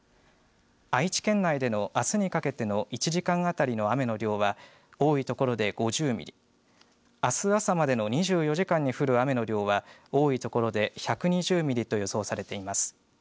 愛知県内でのあすにかけての１時間当たりの雨の量は多い所で５０ミリあす朝までの２４時間に降る雨の量は多い所で１２０ミリと予想されています。